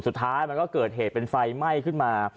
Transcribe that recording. สุดท้ายมันก็เกิดเหตุเป็นไฟไหม้ขึ้นมา